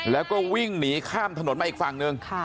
แล้วก็วิ่งหนีข้ามถนนมาอีกฝั่งหนึ่ง